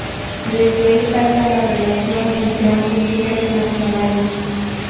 Desde ahí data la relación entre ambos líderes nacionales.